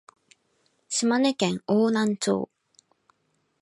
島根県邑南町